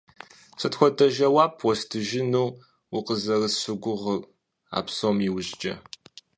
Сыт хуэдэ жэуап уэстыжыну укъызэрысщыгугъыр а псом иужькӀэ?